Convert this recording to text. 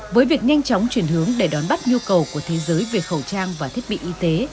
với việc nhanh chóng chuyển hướng để đón bắt nhu cầu của thế giới về khẩu trang và thiết bị y tế